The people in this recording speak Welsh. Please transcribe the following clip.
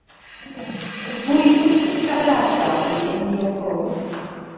Bwyd pwysicaf yr ardal oedd India corn.